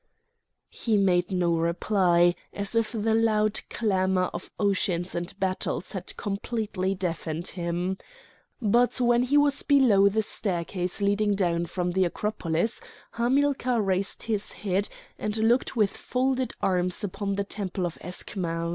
He made no reply, as if the loud clamour of oceans and battles had completely deafened him. But when he was below the staircase leading down from the Acropolis, Hamilcar raised his head, and looked with folded arms upon the temple of Eschmoun.